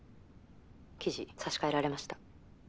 記事差し替えられました。